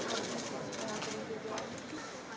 langu kebangsaan indonesia raya